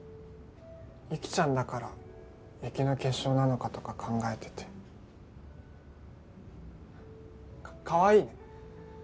雪ちゃんだから雪の結晶なのかとか考えてて。かかわいいね！